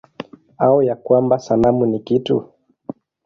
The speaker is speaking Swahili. Au ya kwamba sanamu ni kitu?